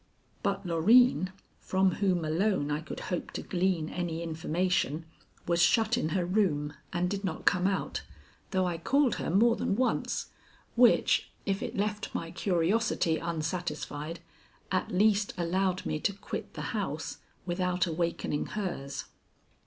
But Loreen, from whom alone I could hope to glean any information, was shut in her room, and did not come out, though I called her more than once, which, if it left my curiosity unsatisfied, at least allowed me to quit the house without awakening hers.